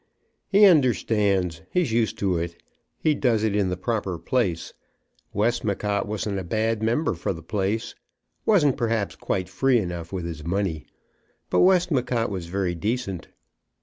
"He understands. He's used to it. He does it in the proper place. Westmacott wasn't a bad member for the place; wasn't perhaps quite free enough with his money, but Westmacott was very decent."